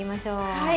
はい。